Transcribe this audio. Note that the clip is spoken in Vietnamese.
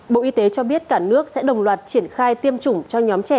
bộ y tế cho biết cả nước sẽ đồng loạt triển khai tiêm chủng cho nhóm trẻ